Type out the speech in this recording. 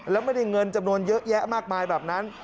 แล้วไม่ได้เงินจำนวนเยอะแยะมากมายแบบนั้น